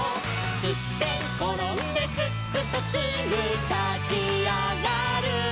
「すってんころんですっくとすぐたちあがる」